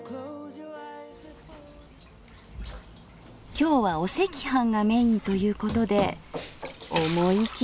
今日はお赤飯がメインということで思い切って作ります。